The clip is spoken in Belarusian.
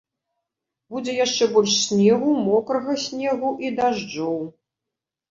Будзе яшчэ больш снегу, мокрага снегу і дажджоў.